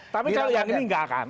tapi kalau yang ini gak akan